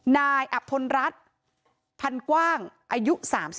นายอับทนรัฐพันธุ์กว้างอายุ๓๕